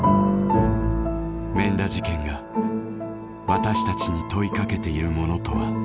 免田事件が私たちに問いかけているものとは。